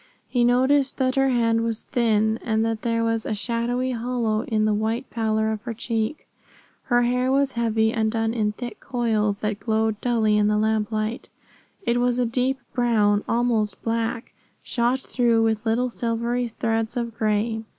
He noticed that her hand was thin, and that there was a shadowy hollow in the white pallor of her cheek. Her hair was heavy and done in thick coils that glowed dully in the lamplight. It was a deep brown, almost black, shot through with little silvery threads of gray.